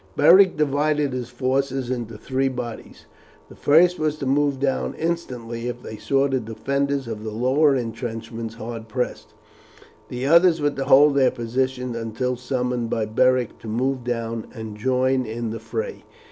Beric divided his force into three bodies. The first was to move down instantly if they saw the defenders of the lower intrenchment hard pressed; the others were to hold their position until summoned by Beric to move down and join in the fray.